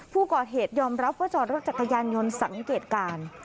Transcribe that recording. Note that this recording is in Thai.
ผู้ก่อเหตุยอมรับว่าจอดรถจักรยานยนต์สังเกตการณ์